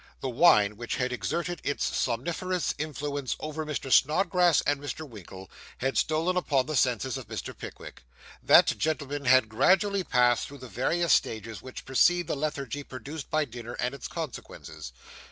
The wine, which had exerted its somniferous influence over Mr. Snodgrass and Mr. Winkle, had stolen upon the senses of Mr. Pickwick. That gentleman had gradually passed through the various stages which precede the lethargy produced by dinner, and its consequences.